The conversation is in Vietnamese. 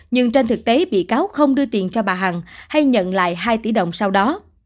nhưng trên thực tế bị cáo không đưa tiền cho bà hằng hay nhận lại hai tỷ đồng sau đó